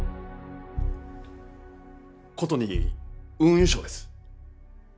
ことに運輸省です。